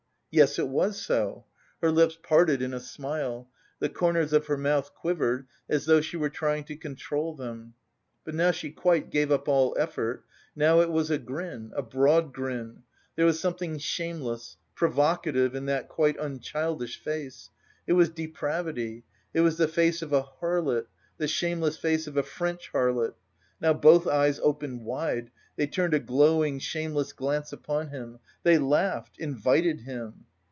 Yes, it was so. Her lips parted in a smile. The corners of her mouth quivered, as though she were trying to control them. But now she quite gave up all effort, now it was a grin, a broad grin; there was something shameless, provocative in that quite unchildish face; it was depravity, it was the face of a harlot, the shameless face of a French harlot. Now both eyes opened wide; they turned a glowing, shameless glance upon him; they laughed, invited him....